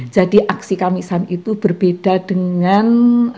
jadi aksi kamisan itu berbeda dengan